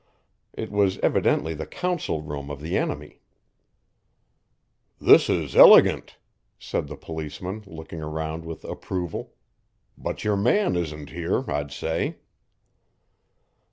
It was evidently the council room of the enemy. "This is illigant," said the policeman, looking around with approval; "but your man isn't here, I'd say."